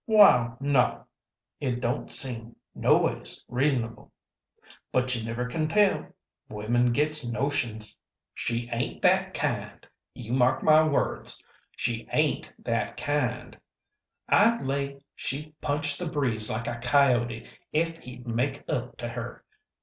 "Wal, no, it don't seem noways reasonable, but you never can tell. Women gets notions." "She ain't that kind! You mark my words, she ain't that kind. I'd lay she'd punch the breeze like a coyote ef he'd make up to her.